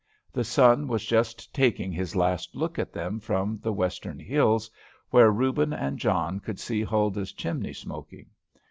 The sun was just taking his last look at them from the western hills, where Reuben and John could see Huldah's chimney smoking.